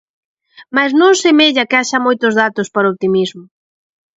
Mais non semella que haxa moitos datos para o optimismo.